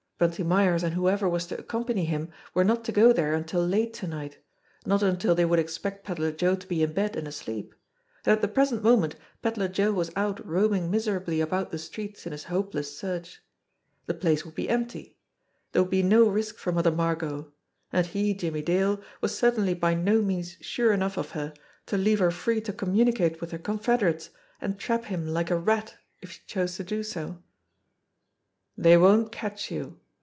Bunty Myers and whoever was to accompany him were not to go there until late to night, not until they would expect Pedler Joe to be in bed and asleep ; and at the present mo ment Pedler Joe was out roaming miserably about the streets in his hopeless search. The place would be empty. There would be no risk for Mother Margot and he, Jimmie Dale, was certainly by no means sure enough of her to leave her free to communicate with her confederates and trap him like a rat if she chose to do so. "They won't catch you."